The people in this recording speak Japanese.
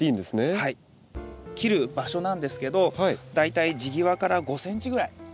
切る場所なんですけど大体地際から５ｃｍぐらい。